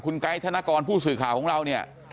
ไกด์ธนกรผู้สื่อข่าวของเราเนี่ย